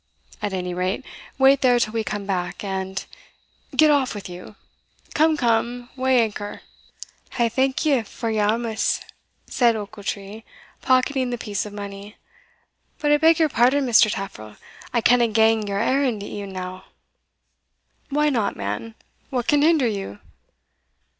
At any rate, wait there till we come back, and Get off with you Come, come, weigh anchor." "I thank ye for your awmous," said Ochiltree, pocketing the piece of money; "but I beg your pardon, Mr. Taffril I canna gang your errand e'en now." "Why not, man? what can hinder you?"